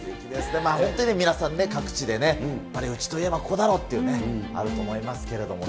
皆さんね、各地ね、うちといえばここだろっていうのあると思いますけどね。